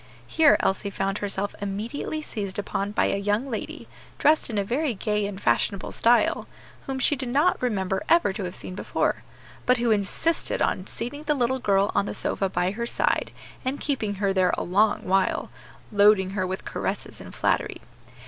Here Elsie found herself immediately seized upon by a young lady, dressed in very gay and fashionable style, whom she did not remember ever to have seen before, but who insisted on seating the little girl on the sofa by her side, and keeping her there a long while, loading her with caresses and flattery.